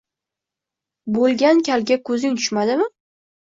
Bo‘lgan Kalga ko‘zing tushmadimi?